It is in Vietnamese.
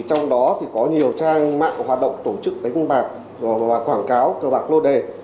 trong đó thì có nhiều trang mạng hoạt động tổ chức đánh bạc và quảng cáo cờ bạc lô đề